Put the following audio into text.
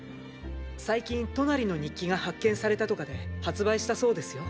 最近トナリの日記が発見されたとかで発売したそうですよ。